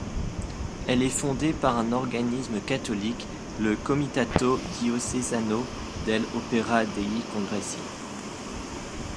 Elle est fondée par un organisme catholique, le Comitato Diocesano dell'Opera dei Congressi.